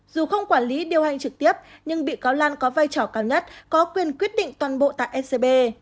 dù không quản lý điều hành trực tiếp nhưng bị cáo lan có vai trò cao nhất có quyền quyết định toàn bộ tại ecb